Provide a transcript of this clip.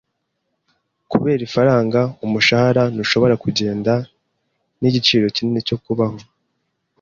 Kubera ifaranga, umushahara ntushobora kugendana nigiciro kinini cyo kubaho.